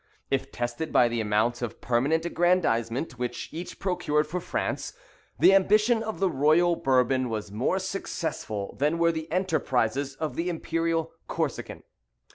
If tested by the amount of permanent aggrandisement which each procured for France, the ambition of the royal Bourbon was more successful than were the enterprises of the imperial Corsican.